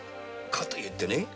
かと言ってね